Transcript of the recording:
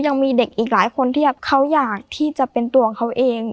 ยังมีเด็กอีกหลายคนที่เขาอยากที่จะเป็นตัวของเขาเอง